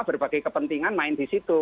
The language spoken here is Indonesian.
berbagai kepentingan main di situ